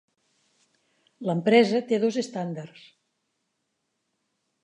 L'empresa té dos estàndards.